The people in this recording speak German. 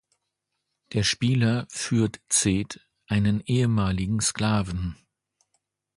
Der Spieler führt Zed, einen ehemaligen Sklaven.